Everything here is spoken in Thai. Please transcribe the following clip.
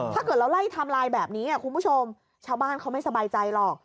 ถ้าเกิดเราไล่ไทม์ไลน์แบบนี้คุณผู้ชมชาวบ้านเขาไม่สบายใจหรอก